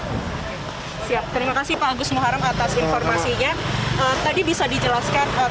siap terima kasih pak agus muharrem atas informasinya